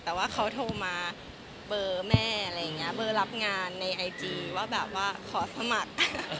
แต่ว่าเขาโทรมาเบอร์แม่อะไรอย่างนี้เบอร์รับงานในไอจีว่าแบบว่าขอสมัคร